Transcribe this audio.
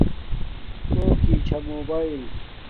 کوکی چھا موباݵل